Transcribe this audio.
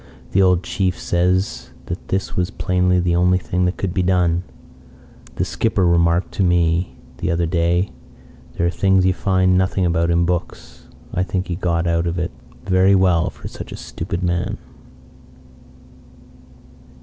The old chief says that this was plainly the only thing that could be done. The skipper remarked to me the other day, 'There are things you find nothing about in books.' I think that he got out of it very well for such a stupid man."